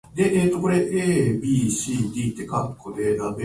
時計の針が進む。